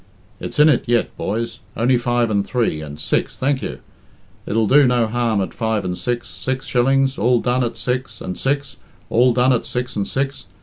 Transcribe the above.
It's in it yet, boys only five and three and six, thank you. It'll do no harm at five and six six shillings? All done at six and six? All done at six and six?"